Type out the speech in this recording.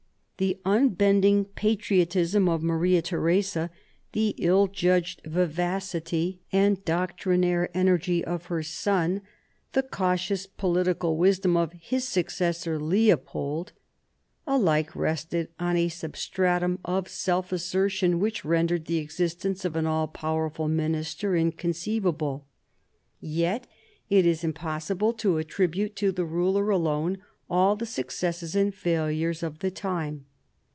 The unbending patriotism of Maria Theresa, the ill judged vivacity S> B <+ 2 MARIA THERESA chap, i and doctrinaire energy of her son, the cautious political wisdom of his successor Leopold, alike rested on a sub stratum of self assertion, which rendered the existence of an all powerful minister inconceivable. Yet it is impossible to attribute to the ruler alone all the suc cesses and failures of the time.